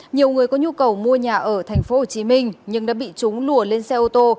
nhiều người có nhu cầu mua nhà ở tp hcm nhưng đã bị chúng lùa lên xe ô tô